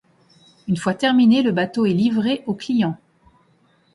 Une fois terminé, le bateau est livré au client.